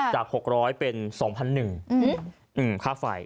จาก๖๐๐เป็น๒๐๐๐หนึ่งค่าไฟ